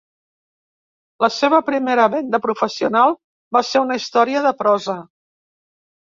La seva primera venda professional va ser una història de prosa.